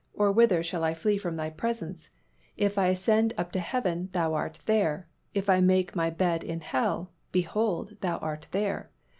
or whither shall I flee from Thy presence? If I ascend up into heaven, Thou art there: if I make my bed in hell, behold, Thou art there.